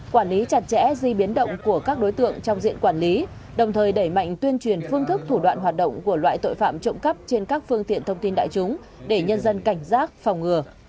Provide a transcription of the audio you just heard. quản lý chặt chẽ di biến động của các đối tượng trong diện quản lý đồng thời đẩy mạnh tuyên truyền phương thức thủ đoạn hoạt động của loại tội phạm trộm cắp trên các phương tiện thông tin đại chúng để nhân dân cảnh giác phòng ngừa